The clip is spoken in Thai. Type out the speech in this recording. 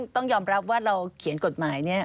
ต้องยอมรับว่าเราเขียนกฎหมายเนี่ย